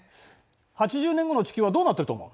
８０年後の地球はどうなっていると思う？